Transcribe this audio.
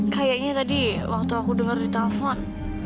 kayaknya tadi waktu aku dengar di telepon